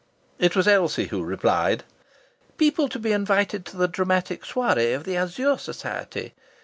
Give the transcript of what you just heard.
It was Elsie who replied: "People to be invited to the dramatic soirée of the Azure Society.